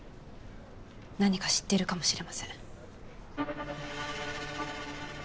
何か知ってるかもしれません。